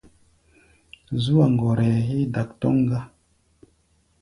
Zú-a ɔ́ ŋgɔrɛɛ héé dak tɔ́ŋ gá.